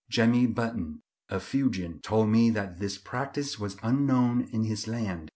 Jemmy Button, the Fuegian, told me that this practice was unknown in his land.